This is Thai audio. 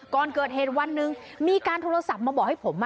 ก่อนเกิดเหตุวันหนึ่งมีการโทรศัพท์มาบอกให้ผม